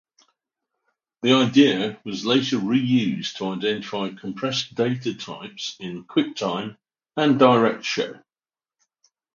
The idea was later reused to identify compressed data types in QuickTime and DirectShow.